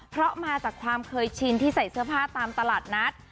เพราะมาจากความเคยชินที่ใส่เสื้อผ้าตามตลาดนัด